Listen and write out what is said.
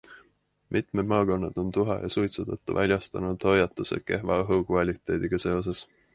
Mitmed maakonnad on tuha ja suitsu tõttu väljastanud hoiatuse kehva õhukvaliteediga seoses.